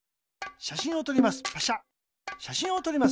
しゃしんをとります。